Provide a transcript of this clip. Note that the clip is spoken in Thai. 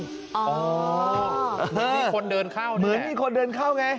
อ๋อเหมือนมีคนเดินเข้าเนี้ยเหมือนมีคนเดินเข้าไง